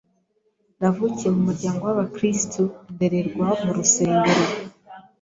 Navukiye mu muryango w’Abakristo, ndererwa mu rusengero